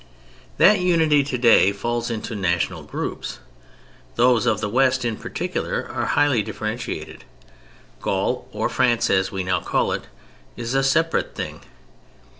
That unity today falls into national groups. Those of the West in particular are highly differentiated. Gaul (or France as we now call it) is a separate thing.